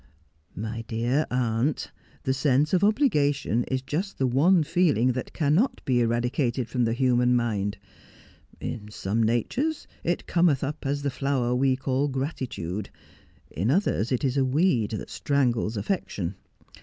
' My dear aunt, the sense of obligation is just the one feeling tliat cannot be eradicated from the human lnind. In some natures it cometh up as the flower we call gratitude, in others it is a weed that strangles affection.